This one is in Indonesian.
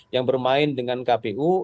yang bermain dengan kpu